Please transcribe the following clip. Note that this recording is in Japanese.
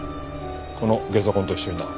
このゲソ痕と一緒にな。